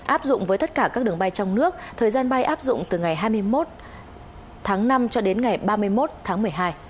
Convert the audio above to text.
áp dụng với tất cả các đường bay trong nước thời gian bay áp dụng từ ngày hai mươi một tháng năm cho đến ngày ba mươi một tháng một mươi hai